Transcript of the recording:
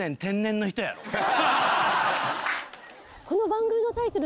この番組のタイトル